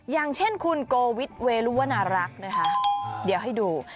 อย่างเช่นคุณโกวิทเวรุวนารักษ์นะคะเดี๋ยวให้ดู